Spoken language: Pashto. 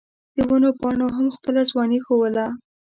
د ونو پاڼو هم خپله ځواني ښووله.